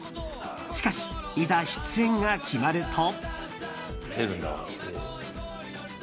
しかし、いざ出演が決まると。